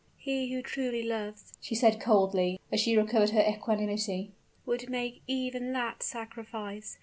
"He who truly loves," she said coldly, as she recovered her equanimity, "would make even that sacrifice!